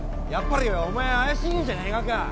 やっぱりお前が怪しいんじゃないがか